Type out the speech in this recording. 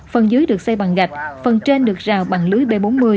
phần dưới được xây bằng gạch phần trên được rào bằng lưới b bốn mươi